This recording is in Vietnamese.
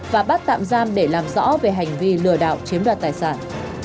và bắt tạm giam để làm rõ về hành vi lừa đảo chiếm đoạt tài sản